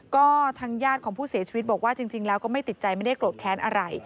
ก็ทางญาติของผู้เสียชีวิตบอกว่าจริงแล้วก็ไม่ติดใจไม่ได้โกรธแค้นอะไร